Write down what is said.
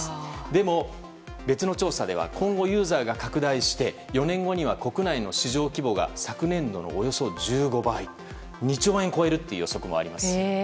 でも、別の調査では今後ユーザーが拡大して４年後には国内の市場規模が昨年度のおよそ１５倍２兆円を超える予測もあります。